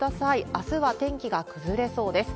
あすは天気が崩れそうです。